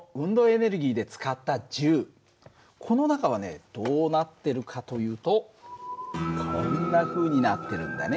この中はねどうなってるかというとこんなふうになってるんだね。